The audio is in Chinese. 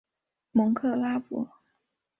蒙克拉博。